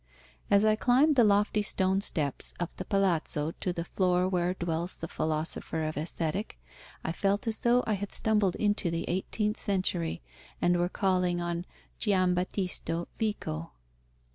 As I climbed the lofty stone steps of the Palazzo to the floor where dwells the philosopher of Aesthetic I felt as though I had stumbled into the eighteenth century and were calling on Giambattista Vico.